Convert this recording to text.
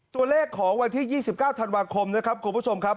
ตัวเลขของวันที่๒๙ธันวาคมนะครับคุณผู้ชมครับ